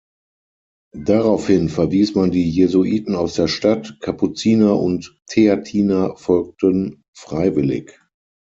Daraufhin verwies man die Jesuiten aus der Stadt, Kapuziner und Theatiner folgten freiwillig.